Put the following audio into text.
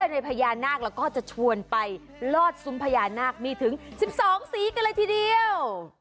ในพญานาคแล้วก็จะชวนไปลอดซุ้มพญานาคมีถึง๑๒สีกันเลยทีเดียว